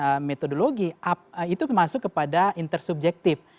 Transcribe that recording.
pendekatan metodologi itu termasuk kepada intersubjektif